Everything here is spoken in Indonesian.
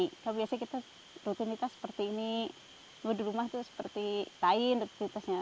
kalau biasanya kita rutinitas seperti ini berada di rumah itu seperti lain rutinitasnya